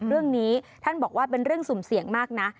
เรื่องนี้ท่านบอกว่าเป็นเรื่องสุ่มเสี่ยงมากนะ